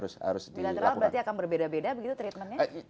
bilateral berarti akan berbeda beda begitu treatmentnya